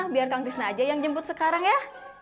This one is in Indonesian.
biar kang tisna aja yang jemput sekarang ya